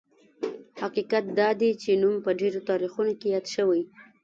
حقیقت دا دی چې نوم په ډېرو تاریخونو کې یاد شوی.